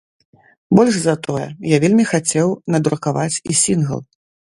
Больш за тое, я вельмі хацеў надрукаваць і сінгл.